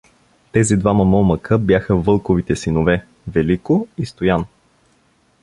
Тези двама момъка бяха Вълковите синове — Велико и Стоян.